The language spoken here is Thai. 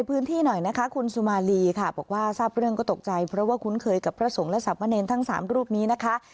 เผยกับพระสงฆ์และสรรพเนรทั้ง๓รูปนี้นะคะ